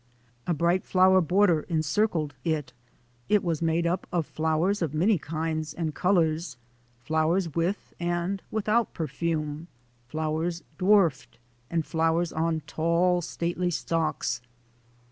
A bright flower border encircled it. It was made up of flowers of many kinds and colours, flowers with and without perfume, flowers dwarfed, and flowers on tall, stately stalks.